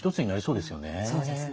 そうですね。